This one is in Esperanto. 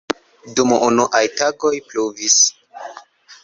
Dum unuaj tagoj pluvis.